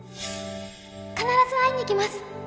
必ず会いに来ます